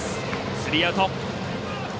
スリーアウト。